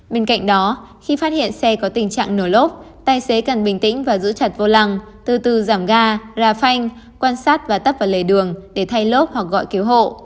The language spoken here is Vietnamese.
bên cạnh đó khi phát hiện xe có tình trạng nổi lốp tài xế cần bình tĩnh và giữ chặt vô lăng từ từ giảm ga ra phanh quan sát và tấp vào lề đường để thay lốp hoặc gọi cứu hộ